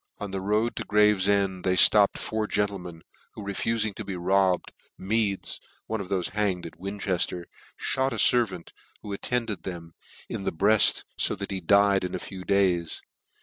On the road to Gravefend they Hopped four gentlemen, who refufing to be robbed, Meads (one of thofe hanged at Winchefter,) fhot a fervant who attended them, in the bread, fo that he died in a few days.